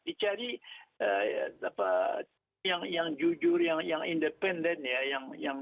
dicari yang jujur yang independen ya